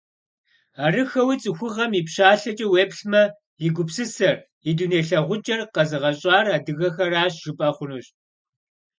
Арыххэуи, цӀыхугъэм и пщалъэкӀэ уеплъмэ, и гупсысэр, и дуней лъагъукӀэр къэзыгъэщӀар адыгэхэращ, жыпӀэ хъунущ.